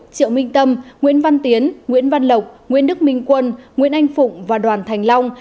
triệu minh tâm nguyễn văn tiến nguyễn văn lộc nguyễn đức minh quân nguyễn anh phụng và đoàn thành long